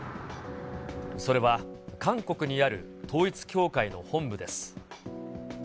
それは韓国にある統一教会の本部です。